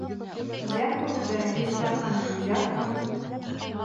Взятка көтә, Резеда ханым, взятка!